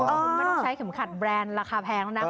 คุณไม่ต้องใช้เข็มขัดแบรนด์ราคาแพงแล้วนะ